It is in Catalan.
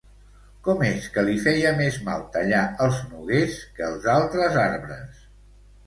Com és que li feia més mal tallar els noguers que els altres arbres?